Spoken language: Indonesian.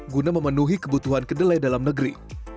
guna memenuhi kebutuhan kedelai dalam negeri